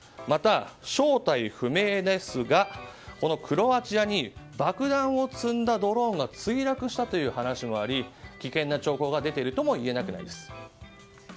また、正体不明ですがクロアチアに爆弾を積んだドローンが墜落したという話もあり危険な兆候が出ているともいえます。